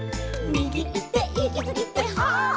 「みぎいっていきすぎて」